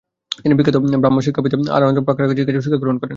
তিনি বিখ্যাত ব্রাহ্ম শিক্ষাবিদ আয়াধ্যনাথ পাকড়ারাশি কাছেও শিক্ষা গ্রহণ করেন।